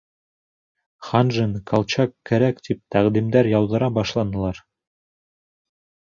Ханжин, Колчак кәрәк, тип тәҡдимдәр яуҙыра башланылар.